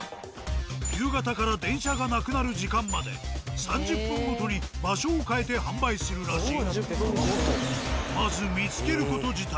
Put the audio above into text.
夕方から電車がなくなる時間まで３０分ごとに場所を変えて販売するらしい。